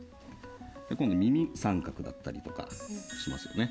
で今度耳三角だったりしますよね。